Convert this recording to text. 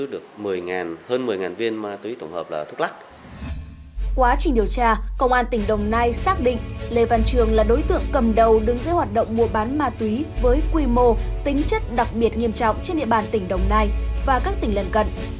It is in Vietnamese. đồng nai xác định lê văn trường là đối tượng cầm đầu đứng dưới hoạt động mua bán ma túy với quy mô tính chất đặc biệt nghiêm trọng trên địa bàn tỉnh đồng nai và các tỉnh lần gần